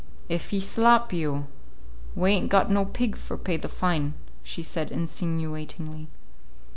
"If he slap you, we ain't got no pig for pay the fine," she said insinuatingly.